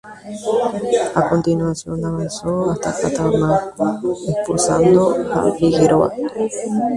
A continuación avanzó hasta Catamarca, expulsando a Figueroa.